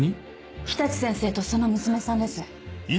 常陸先生とその娘さんです。